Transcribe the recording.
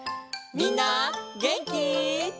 みんなげんき？